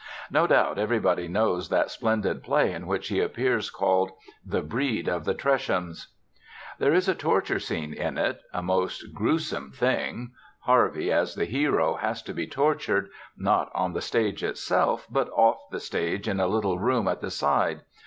No doubt everybody knows that splendid play in which he appears, called "The Breed of the Treshams." There is a torture scene in it, a most gruesome thing. Harvey, as the hero, has to be tortured, not on the stage itself, but off the stage in a little room at the side.